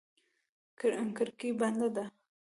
کړکۍ بنده ده.